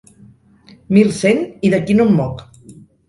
Mil cent i d'aquí no em moc.